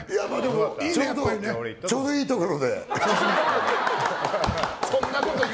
ちょうどいいところで。